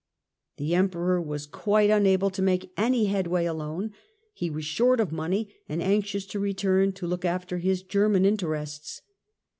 The Emperor was quite unable to make any headway alone, he was short of money and anxious to return to look after his German interests.